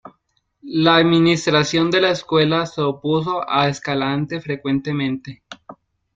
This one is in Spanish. La administración de la escuela se opuso a Escalante frecuentemente.